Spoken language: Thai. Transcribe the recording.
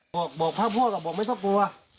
บอกพ่อพ่อบอกไม่ต้องกลัว